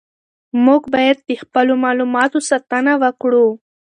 موږ باید د خپلو معلوماتو ساتنه وکړو.